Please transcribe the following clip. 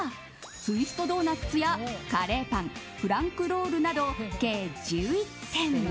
ツイストドーナツやカレーパンフランクロールなど計１１点。